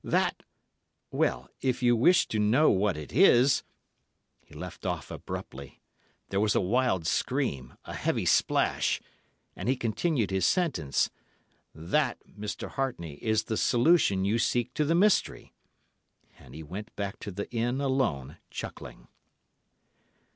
That—well, if you wish to know what it is——' He left off abruptly. There was a wild scream, a heavy splash, and he continued his sentence. 'That, Mr. Hartney, is the solution you seek to the mystery.' And he went back to the inn alone, chuckling.